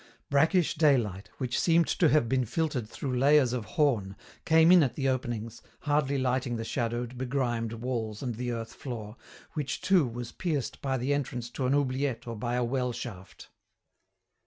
Brackish daylight, which seemed to have been filtered through layers of horn, came in at the openings, hardly lighting the shadowed, begrimed walls and the earth floor, which too was pierced by the entrance to an oubliette or by a well shaft.